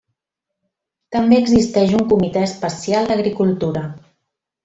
També existeix un Comitè especial d'agricultura.